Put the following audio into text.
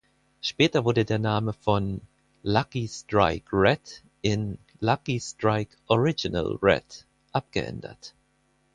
Später wurde der Name von „Lucky Strike Red“ in „Lucky Strike Original Red“ abgeändert.